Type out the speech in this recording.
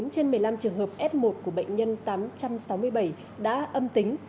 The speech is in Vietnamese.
một mươi trên một mươi năm trường hợp f một của bệnh nhân tám trăm sáu mươi bảy đã âm tính